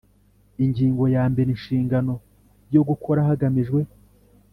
Ingingo ya mbere Inshingano yo gukora hagamijwe